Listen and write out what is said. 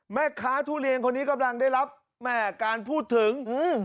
แม่ค้าทุเรียนคนนี้กำลังได้รับแม่การพูดถึง